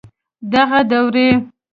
دغه دوړي